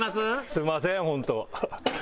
すいませんホント。